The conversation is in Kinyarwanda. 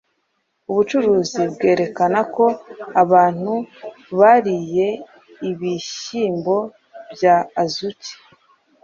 Ubucukuzi bwerekana ko abantu bariye ibihyimbo bya Azuki